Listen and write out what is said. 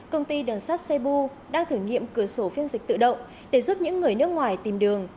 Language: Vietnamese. công ty đường sắt sebu đang thử nghiệm cửa sổ phiên dịch tự động để giúp những người nước ngoài tìm đường